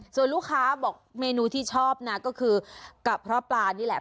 ส่วนลูกค้าบอกเมนูที่ชอบนะก็คือกะเพราะปลานี่แหละ